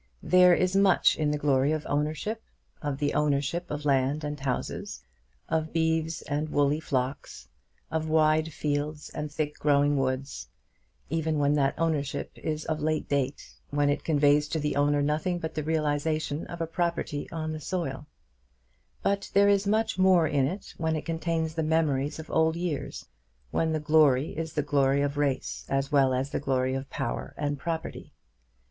There is much in the glory of ownership, of the ownership of land and houses, of beeves and woolly flocks, of wide fields and thick growing woods, even when that ownership is of late date, when it conveys to the owner nothing but the realisation of a property on the soil; but there is much more in it when it contains the memories of old years; when the glory is the glory of race as well as the glory of power and property.